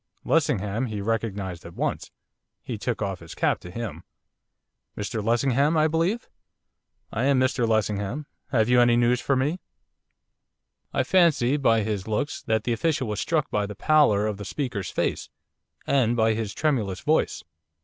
Lessingham he recognised at once. He took off his cap to him. 'Mr Lessingham, I believe?' 'I am Mr Lessingham. Have you any news for me?' I fancy, by his looks, that the official was struck by the pallor of the speaker's face, and by his tremulous voice.